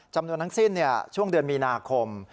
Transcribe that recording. จำนวนทั้งสิ้นช่วงเดือนมีนาคม